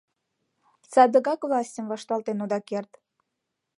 Садыгак властьым вашталтен ода керт!